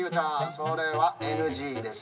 それはＮＧです。